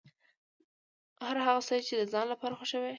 هر هغه څه چې د ځان لپاره خوښوې.